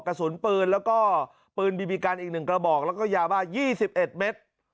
กระสุนปืนแล้วก็ปืนบีบีกันอีก๑กระบอกแล้วก็ยาบ้า๒๑เมตร